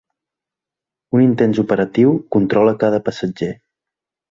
Un intens operatiu controla cada passatger.